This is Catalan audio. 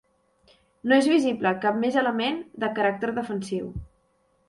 No és visible cap més element de caràcter defensiu.